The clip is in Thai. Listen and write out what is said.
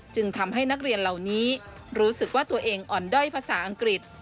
จึงทำให้นักเรียนเหล่านี้รู้สึกว่าตัวเองอ่อนด้อยภาษาอังกฤษ